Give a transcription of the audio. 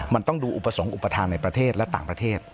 มันต้องดูอุปสรรคอุปทานในประเทศและต่างประเทศ